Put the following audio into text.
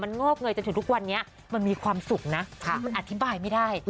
งอกเงยจนถึงทุกวันนี้มันมีความสุขนะมันอธิบายไม่ได้